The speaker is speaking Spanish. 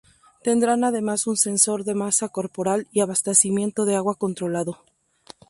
Tendrán además un sensor de masa corporal y abastecimiento de agua controlado.